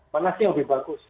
mana sih yang lebih bagus